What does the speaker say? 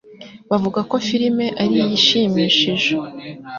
Bavuga ko firime ari iyishimishije.